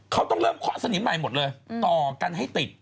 เขาต้องเริ่มเคาะสนิมใหม่หมดเลยต่อกันให้ติด